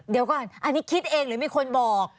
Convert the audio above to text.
เดี๋ยวก่อนอันนี้คิดเองหรือมีคนบอก